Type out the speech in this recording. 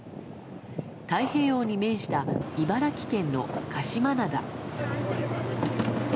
太平洋に面した茨城県の鹿島灘。